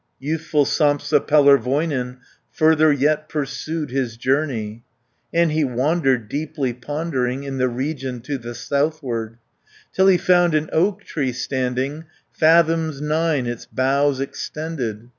Youthful Sampsa Pellervoinen Further yet pursued his journey, And he wandered, deeply pondering, In the region to the southward, 70 Till he found an oak tree standings Fathoms nine its boughs extended.